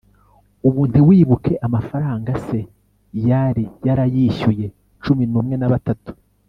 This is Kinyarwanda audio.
ubu ntiwibuke amafaranga se yari yarayishyuye, cumi n'umwe na batatu